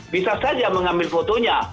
bisa saja mengambil fotonya